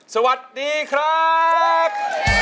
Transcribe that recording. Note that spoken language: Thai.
สวัสดีครับ